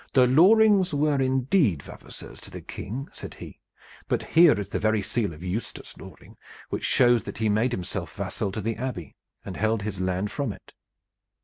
"The Lorings were indeed vavasors to the King," said he; "but here is the very seal of Eustace Loring which shows that he made himself vassal to the Abbey and held his land from it."